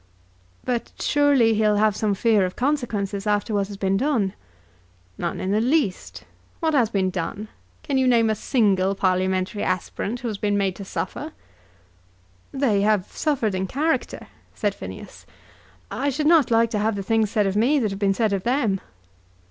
"But surely he'll have some fear of consequences after what has been done?" "None in the least. What has been done? Can you name a single Parliamentary aspirant who has been made to suffer?" "They have suffered in character," said Phineas. "I should not like to have the things said of me that have been said of them."